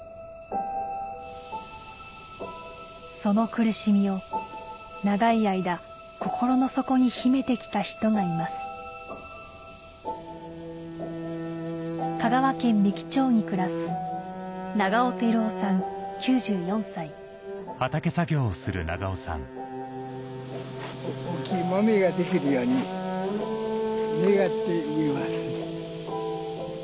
その苦しみを長い間心の底に秘めてきた人がいます香川県三木町に暮らす大きい豆ができるように願っています。